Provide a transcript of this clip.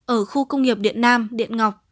ở khu công nghiệp điện nam điện ngọc